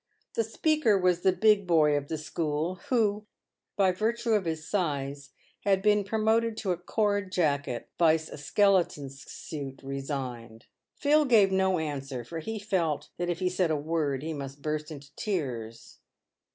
The speaker was the big boy of the school, who, by virtue of his size, had been promoted to a cord jacket, vice a skeleton suit resigned. Phil gave [no answer, for he felt that if he said a word he must burst into tears.